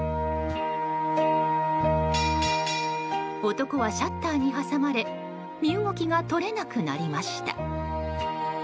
男はシャッターに挟まれ身動きが取れなくなりました。